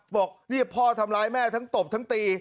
บอกนี่พ่อทำร้ายแม่ทั้งตบทั้งตี